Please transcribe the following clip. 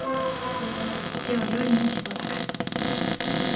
一応料理人志望だから。